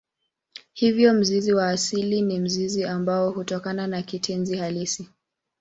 Hivyo mzizi wa asili ni mzizi ambao hutokana na kitenzi halisi.